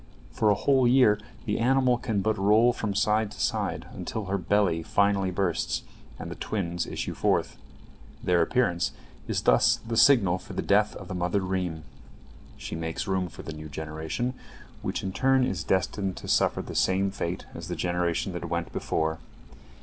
For a whole year the animal can but roll from side to side, until finally her belly bursts, and the twins issue forth. Their appearance is thus the signal for the death of the mother reem. She makes room for the new generation, which in turn is destined to suffer the same fate as the generation that went before.